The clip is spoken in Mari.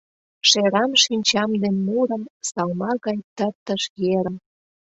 Шерам шинчам ден нурым, салма гай тыртыш ерым.